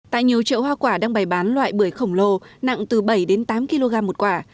tại nhiều chợ hoa quả đang bày bán loại bưởi khổng lồ nặng từ bảy đến tám kg một quả